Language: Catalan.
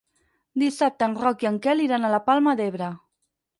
Dissabte en Roc i en Quel iran a la Palma d'Ebre.